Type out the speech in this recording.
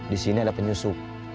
disini ada penyusup